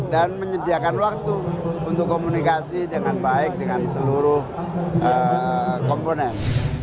dan menyediakan waktu untuk komunikasi dengan baik dengan seluruh komponen